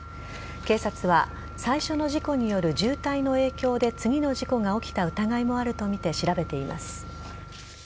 警察は最初の事故による渋滞の影響で次の事故が起きた疑いもあるとみて調べています。